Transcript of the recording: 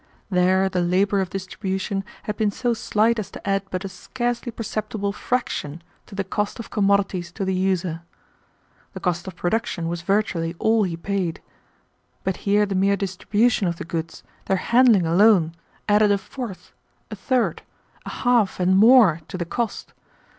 There the labor of distribution had been so slight as to add but a scarcely perceptible fraction to the cost of commodities to the user. The cost of production was virtually all he paid. But here the mere distribution of the goods, their handling alone, added a fourth, a third, a half and more, to the cost.